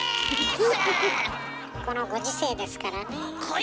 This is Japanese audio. このご時世ですからねえ。